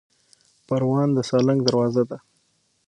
پروان د سالنګ دروازه ده